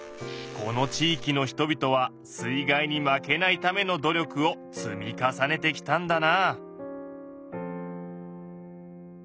この地域の人々は水害に負けないための努力を積み重ねてきたんだなあ。